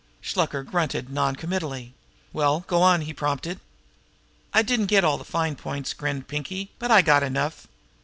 Shluker grunted noncommittingly. "Well, go on!" he prompted. "I didn't get all the fine points," grinned Pinkie; "but I got enough.